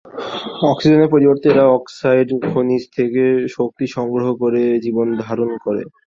অক্সিজেনের পরিবর্তে এরা অক্সাইড খনিজ থেকে শক্তি সংগ্রহ করে জীবনধারণ করে।